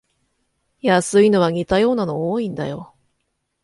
安いのは似たようなの多いんだよ